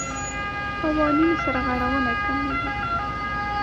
قوانین سرغړونه کموي.